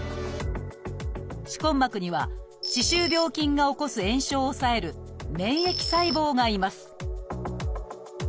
歯根膜には歯周病菌が起こす炎症を抑える免疫細胞がいます